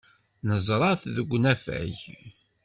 Neẓra-t deg unafag.